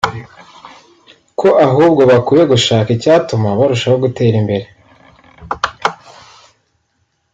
ko ahubwo bakwiye gushaka icyatuma barushaho gutera imbere